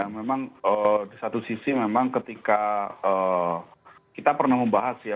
memang di satu sisi memang ketika kita pernah membahas ya